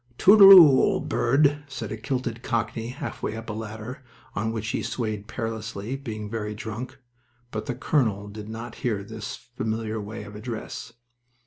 "Toodle oo, old bird!" said a kilted cockney, halfway up a ladder, on which he swayed perilously, being very drunk; but the colonel did not hear this familiar way of address.